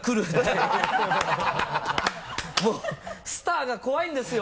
もうスターが怖いんですよ